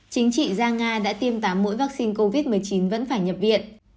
chính trị gia nga đã tiêm tám mũi vaccine covid một mươi chín vẫn phải nhập viện